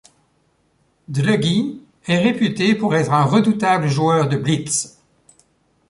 Dlugy est réputé pour être un redoutable joueur de blitz.